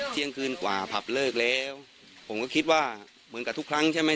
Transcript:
เที่ยงคืนกว่าผับเลิกแล้วผมก็คิดว่าเหมือนกับทุกครั้งใช่ไหม